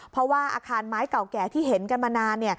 เพราะว่าอาคารไม้เก่าแก่ที่เห็นกันมานาน